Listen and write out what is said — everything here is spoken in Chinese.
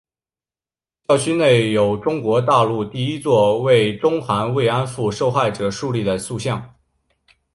校区内有中国大陆第一座为中韩慰安妇受害者树立的塑像。